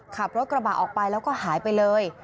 ขับรถกระบะออกไปแล้วก็หายไปเลย